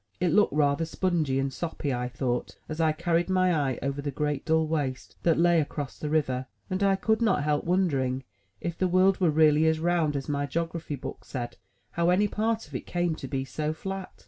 It looked rather spongy and soppy, I thought, as I carried my eye over the great dull waste that lay across the river; and I could not help wondering, if the world were really as round as my geography book said, how any part of it came to be so fiat.